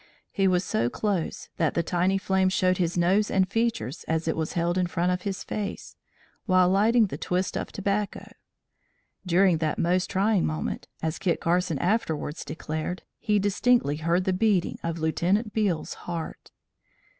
He was so close that the tiny flame showed his nose and features, as it was held in front of his face, while lighting the twist of tobacco. During that most trying moment, as Kit Carson afterwards declared, he distinctly heard the beating of Lieutenant Beale's heart.